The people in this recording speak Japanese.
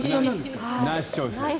ナイスチョイスです。